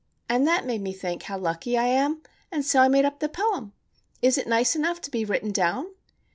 And that made me think how lucky I am, and so I made up the poem. Is it nice enough to be written down?"